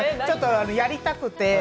ちょっとやりたくて。